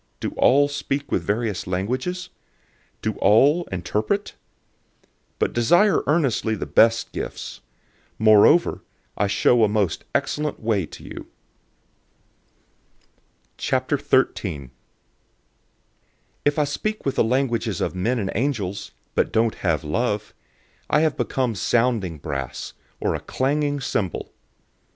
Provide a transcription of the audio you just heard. Do all speak with various languages? Do all interpret? 012:031 But earnestly desire the best gifts. Moreover, I show a most excellent way to you. 013:001 If I speak with the languages of men and of angels, but don't have love, I have become sounding brass, or a clanging cymbal.